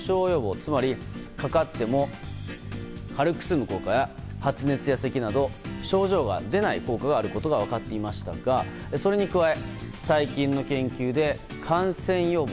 つまり、かかっても軽く済む効果や発熱や、せきなど症状が出ない効果があることが分かっていましたがそれに加え最近の研究で感染予防。